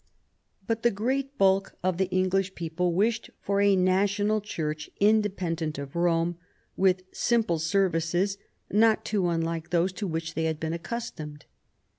But the great bulk of the English people wished for a national Church, in dependent of Rome, with simple services, not too unlike those t<> which they had been accustomed.